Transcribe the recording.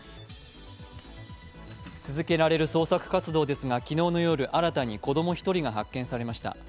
続けられる捜索活動ですが、昨日の夜、新たに子ども１人が発見されました